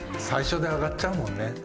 最初で上がっちゃうもんね。